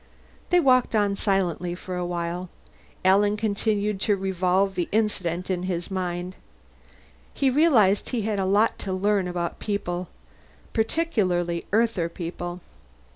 They walked on silently for a while. Alan continued to revolve the incident in his mind. He realized he had a lot to learn about people, particularly Earther people.